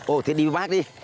ồ thế đi với bác đi